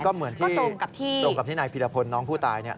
ก็เหมือนที่ตรงกับที่นายผิดหภนน้องผู้ตายเนี่ย